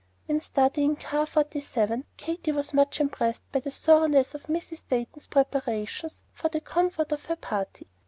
In studying Car Forty seven, Katy was much impressed by the thoroughness of Mrs. Dayton's preparations for the comfort of her party.